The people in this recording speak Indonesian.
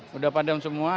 sudah padam semua